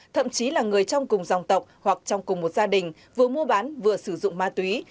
thậm chí là người trong cùng dòng tộc hoặc trong cùng một gia đình vừa mua bán vừa sử dụng ma túy